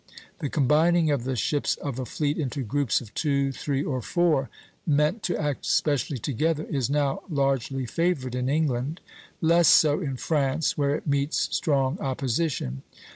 The combining of the ships of a fleet into groups of two, three, or four meant to act specially together is now largely favored in England; less so in France, where it meets strong opposition.